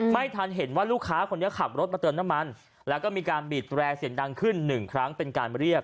ไม่ทันเห็นว่าลูกค้าคนนี้ขับรถมาเติมน้ำมันแล้วก็มีการบีดแร่เสียงดังขึ้นหนึ่งครั้งเป็นการเรียก